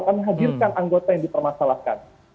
kami hadirkan anggota yang dipermasalahkan